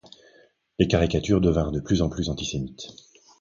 Les caricatures devinrent de plus en plus antisémites.